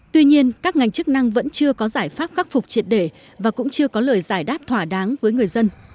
tuy nhiên các ngành chức năng vẫn chưa có giải pháp khắc phục triệt để và cũng chưa có lời giải đáp thỏa đáng với người dân